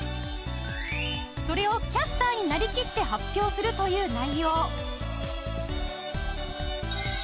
それをキャスターになりきって発表するという内容